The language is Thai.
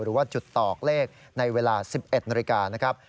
หรือว่าจุดตอกเลขในเวลา๑๑นาฬิกานะครับ